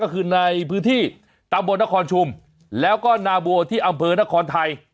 ก็คือในพื้นที่ตำบลนครชุมแล้วก็นาบัวที่อำเภอนครไทย